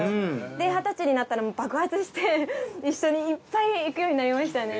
で二十歳になったらもう爆発して一緒にいっぱい行くようになりましたね。